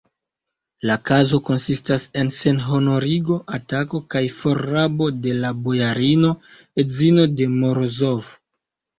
La kazo konsistas en senhonorigo, atako kaj forrabo de la bojarino, edzino de Morozov!